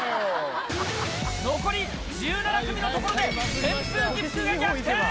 残り１７組のところで、扇風機服が逆転。